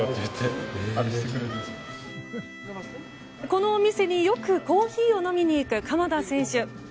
このお店によくコーヒーを飲みに行く鎌田選手。